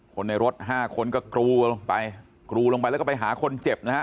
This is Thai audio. คนในรถห้าคนก็กรูลงไปกรูลงไปแล้วก็ไปหาคนเจ็บนะฮะ